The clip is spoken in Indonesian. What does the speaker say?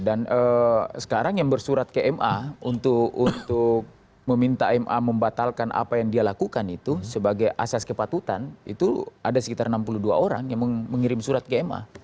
dan sekarang yang bersurat ke ma untuk meminta ma membatalkan apa yang dia lakukan itu sebagai asas kepatutan itu ada sekitar enam puluh dua orang yang mengirim surat ke ma